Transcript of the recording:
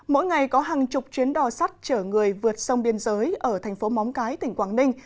mỗi ngày có hàng chục chuyến đò sắt chở người vượt sông biên giới ở thành phố móng cái tỉnh quảng ninh